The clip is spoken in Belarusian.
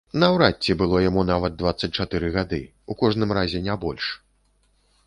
Наўрад ці было яму нават дваццаць чатыры гады, у кожным разе не больш.